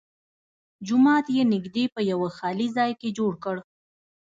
جومات یې نږدې په یوه خالي ځای کې جوړ کړ.